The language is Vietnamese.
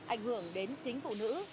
ảnh hưởng đến chính phụ nữ